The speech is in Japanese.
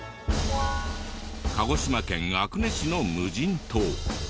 鹿児島県阿久根市の無人島。